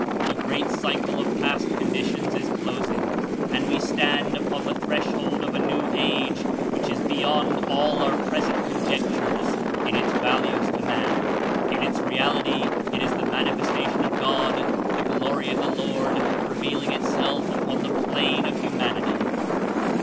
A great cycle of past conditions is closing and we stand upon the thresh hold of a new age, which is beyond all our present conjectures in its values to man. In its reality, it Is the Manifestation of God, the Glory of the Lord revealing itself upon the plane of humanity.